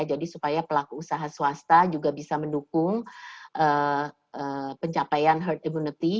jadi supaya pelaku usaha swasta juga bisa mendukung pencapaian herd immunity